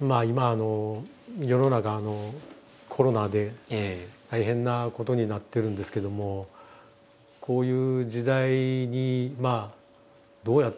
まあ今世の中コロナで大変なことになってるんですけどもこういう時代にどうやって生きていくのかっていう。